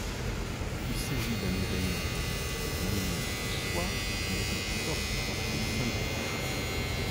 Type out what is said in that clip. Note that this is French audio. Il s'agit d'un événement politique mineur en soi, mais d'une forte portée symbolique.